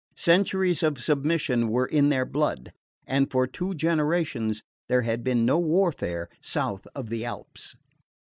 Centuries of submission were in their blood, and for two generations there had been no warfare south of the Alps.